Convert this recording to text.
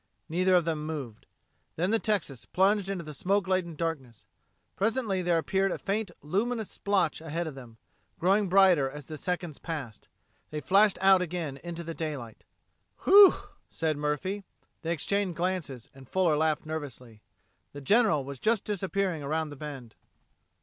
Neither of them moved. Then the Texas plunged into the smoke laden darkness. Presently there appeared a faint luminous splotch ahead of them, growing brighter as the seconds passed. They flashed out into the daylight again. "Whew!" said Murphy. They exchanged glances and Fuller laughed nervously. The General was just disappearing around the bend.